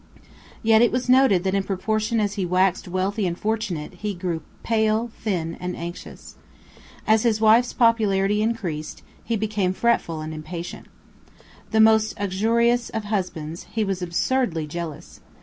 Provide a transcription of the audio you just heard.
Yet it was noted that in proportion as he waxed wealthy and fortunate, he grew pale, thin, and anxious. As his wife's popularity increased, he became fretful and impatient. The most uxorious of husbands, he was absurdly jealous.